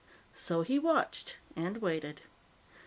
So he watched and waited.